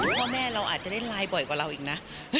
พ่อแม่เราอาจจะได้ไลน์บ่อยกว่าเราอีกนะ